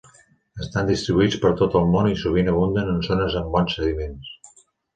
Estan distribuïts per tot el món i sovint abunden en zones amb bons sediments.